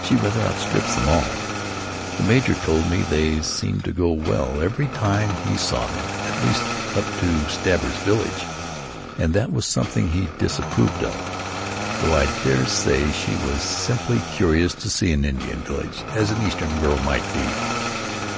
She rather outstrips them all. The major told me they seemed to go well, every time he saw them, at least, up to Stabber's village, and that was something he disapproved of, though I dare say she was simply curious to see an Indian village, as an Eastern girl might be."